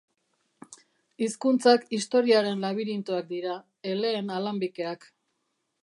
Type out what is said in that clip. Hizkuntzak historiaren labirintoak dira, eleen alanbikeak.